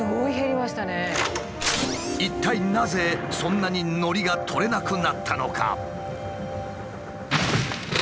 一体なぜそんなにのりが取れなくなったのか？